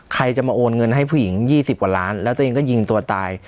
ใครจะมาโอนเงินให้ผู้หญิง๒๐กว่าล้านแล้วตัวเองก็ยิงตัวตาย